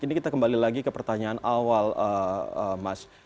ini kita kembali lagi ke pertanyaan awal mas